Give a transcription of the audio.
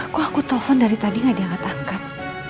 kok aku telpon dari tadi gak diangkat angkat